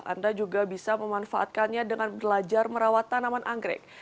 anda juga bisa memanfaatkannya dengan belajar merawat tanaman anggrek